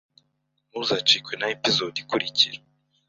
Ntuzacikwe na episode ikurikira